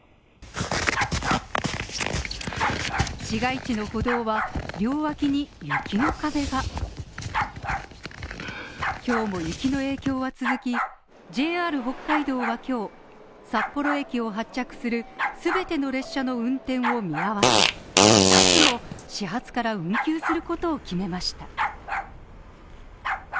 市街地の歩道は、両脇に雪の壁が今日も雪の影響は続き、ＪＲ北海道は今日、札幌駅を発着する全ての列車の運転を見合わせ明日も始発から運休することを決めました。